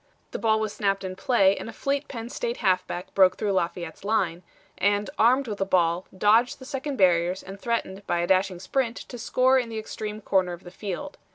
The ball was snapped in play and a fleet Penn State halfback broke through Lafayette's line, and, armed with the ball, dodged the second barriers and threatened by a dashing sprint to score in the extreme corner of the field.